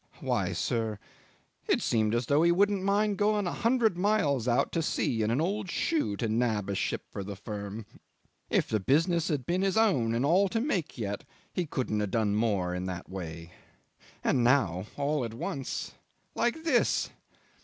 '"Why, sir it seemed as though he wouldn't mind going a hundred miles out to sea in an old shoe to nab a ship for the firm. If the business had been his own and all to make yet, he couldn't have done more in that way. And now ... all at once ... like this!